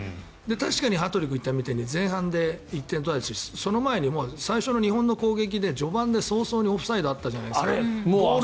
確かに羽鳥君が言ったように前半に１点を取られてその前に最初の日本の攻撃で序盤で早々にオフサイドあったじゃないですか。